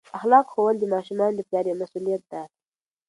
اخلاق ښوول د ماشومانو د پلار یوه مسؤلیت ده.